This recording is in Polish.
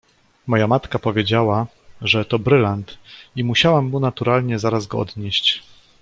"Moja matka powiedziała, że to brylant i musiałam mu naturalnie zaraz go odnieść."